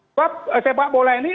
sebab sepak bola ini